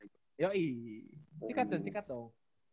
cikat cen cikat dong